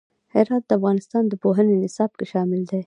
هرات د افغانستان د پوهنې نصاب کې شامل دي.